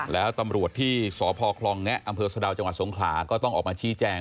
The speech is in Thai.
แล้วตำรวจที่สพคลองแงะอสะดาวจสงขาก็ต้องออกมาชี้แจ้ง